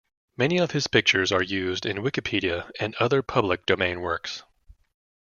Many of his pictures are used in Wikipedia and other public domain works.